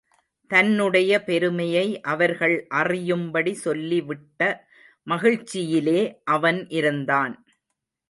தன்னுடைய பெருமையை அவர்கள் அறியும்படி சொல்லிவிட்ட மகிழ்ச்சியிலே அவன் இருந்தான்.